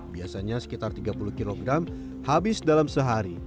biasanya sekitar tiga puluh kg habis dalam sehari